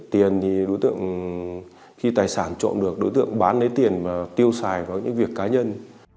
tiền thì đối tượng khi tài sản trộm được đối tượng bán lấy tiền và tiêu xài vào những việc cá nhân